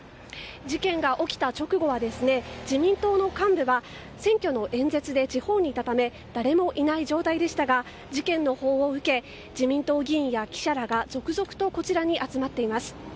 事件が起きた直後は自民党の幹部が選挙の演説で地方にいたため誰もいない状態でしたが事件の報を受け自民党議員や記者らが続々とこちらに集まっています。